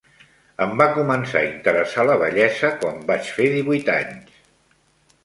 Em va començar a interessar la bellesa quan vaig fer divuit anys.